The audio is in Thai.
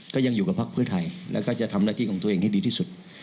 ก็ยังอยู่กับพักเพื่อไทยแล้วก็จะทำหน้าที่ของตัวเองให้ดีที่สุด